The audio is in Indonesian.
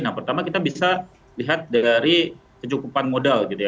nah pertama kita bisa lihat dari kecukupan modal